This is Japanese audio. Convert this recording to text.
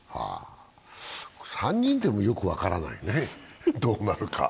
３人でもよく分からないね、どうなるか。